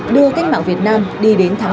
đưa cách mạng việt nam đi đến thắng